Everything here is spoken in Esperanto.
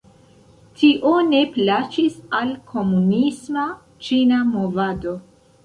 Tio ne plaĉis al komunisma ĉina movado.